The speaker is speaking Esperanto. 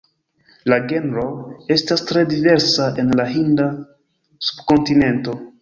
La genro estas tre diversa en la Hinda subkontinento.